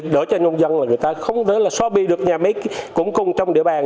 để cho nông dân là người ta không đỡ là xóa bi được nhà máy cũng cùng trong địa bàn